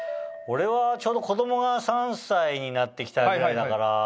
俺はちょうど子供が３歳になって来たぐらいだから